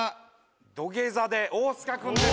土下座で大須賀君です。